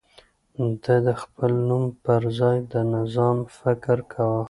ده د خپل نوم پر ځای د نظام فکر کاوه.